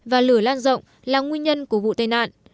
và lửa lan rộng là nguyên nhân của vụ tai nạn